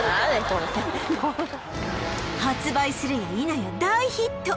これ発売するやいなや大ヒット！